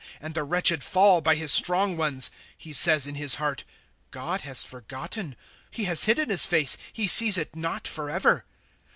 And the wretched fall by his strong ones. " He says in his heart : God has forgotten ; He has hidden his face, he sees it not forever.